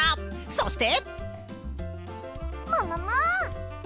そして！